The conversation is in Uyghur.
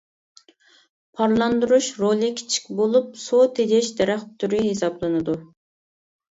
پارلاندۇرۇش رولى كىچىك بولۇپ، سۇ تېجەش دەرەخ تۈرى ھېسابلىنىدۇ.